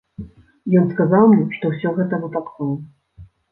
Ён сказаў мне, што ўсё гэта выпадкова.